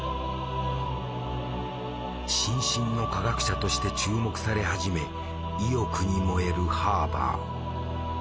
新進の化学者として注目され始め意欲に燃えるハーバー。